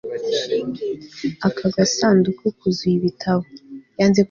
Aka gasanduku kuzuye ibitabo